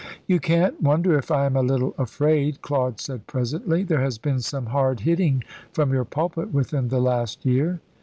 "You can't wonder if I am a little afraid," Claude said presently. "There has been some hard hitting from your pulpit within the last year."